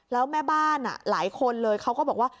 แล้วแม่บ้านหลายคนเลยเขาก็บอกว่า